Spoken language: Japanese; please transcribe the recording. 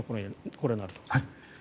これによると。